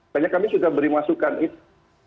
banyak kami sudah beri masukan itu